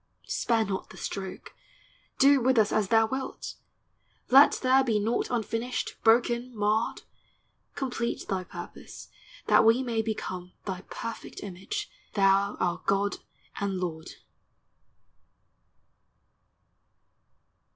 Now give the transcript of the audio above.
Spare not the stroke ! do with us as thou wilt ! Let there be naught unfinished, broken, marred; Complete thy purpose, that we may become Thy perfect image, thou our God and Lord